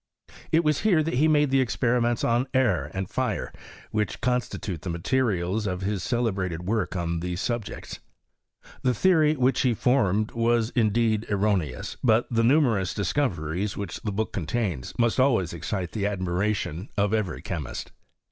It was here that he mods' the experiments on air and fire, which constitute thft materials of his celebrated work on these subjects.* The theory which he formed was indeed erroneous t but the numerous discoveries which the book coo tains must always excite the admiration of every chemist.